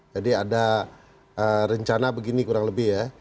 jadi ada rencana begini kurang lebih ya